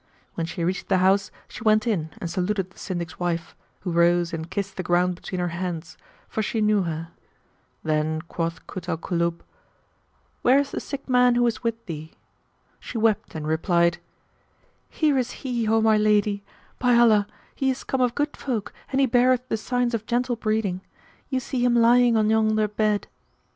When she reached the house, she went in and saluted the Syndic's wife, who rose and kissed the ground between her hands, for she knew her. Then quoth Kut al Kulub, "Where is the sick man who is with thee?" She wept and replied, "Here is he, O my lady; by Allah, he is come of good folk and he beareth the signs of gentle breeding: you see him lying on yonder bed."